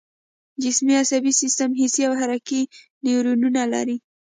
جسمي عصبي سیستم حسي او حرکي نیورونونه لري